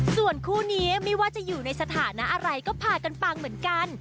ส่วนคู่นี้ไม่ว่าจะอยู่ในสถานะอะไรก็พากันปังเหมือนกัน